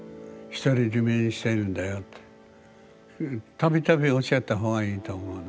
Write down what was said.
度々おっしゃった方がいいと思うの。